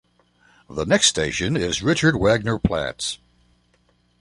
The next station is Richard Wagner Platz.